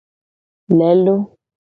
Lelo.